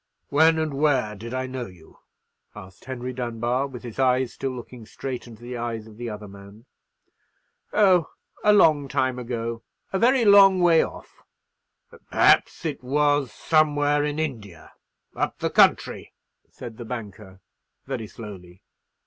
"When and where did I know you?" asked Henry Dunbar, with his eyes still looking straight into the eyes of the other man. "Oh, a long time ago—a very long way off!" "Perhaps it was—somewhere in India—up the country?' said the banker, very slowly.